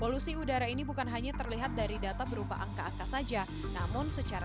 eh kalau kita sih pagi lalu kantor